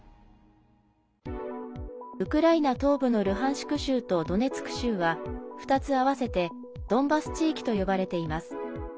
ウクライナ東部のルハンシク州とドネツク州は２つ合わせてドンバス地域と呼ばれています。